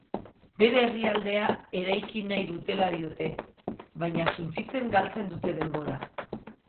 Bere herrialdea eraiki nahi dutela diote, baina suntsitzen galtzen dute denbora.